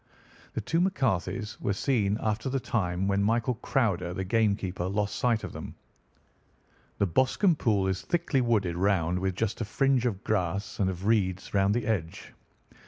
"The two McCarthys were seen after the time when William Crowder, the game keeper, lost sight of them. The Boscombe Pool is thickly wooded round, with just a fringe of grass and of reeds round the edge.